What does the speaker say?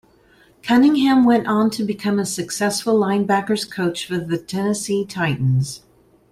Cunningham went on to become a successful linebackers coach for the Tennessee Titans.